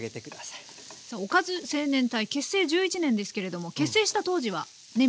さあおかず青年隊結成１１年ですけれども結成した当時はね